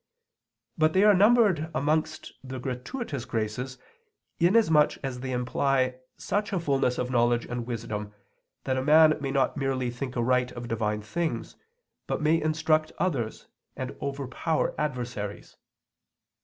But they are numbered amongst the gratuitous graces, inasmuch as they imply such a fullness of knowledge and wisdom that a man may not merely think aright of Divine things, but may instruct others and overpower adversaries.